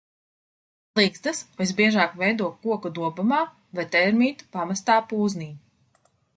Ligzdas visbiežāk veido koku dobumā vai termītu pamestā pūznī.